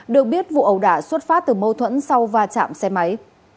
được biết vụ ẩu đả xuất phát từ mâu thuẫn sau va chạm xe máy